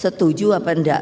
setuju atau tidak